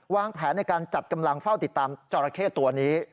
วางแผนในการจัดกำลังเฝ้าติดตามจอราเข้ตัวนี้